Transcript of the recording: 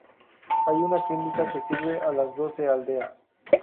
Hay una clínica que sirve a las doce aldeas.